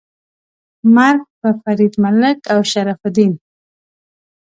مرګ په فرید ملک او شرف الدین. 🤨